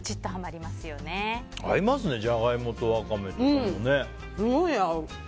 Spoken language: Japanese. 合いますねジャガイモとワカメ。